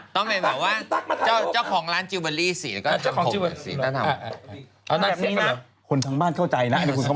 ต้องแบบว่าเจ้าของลานจานทางจิวบรีหรือว่าทางโภม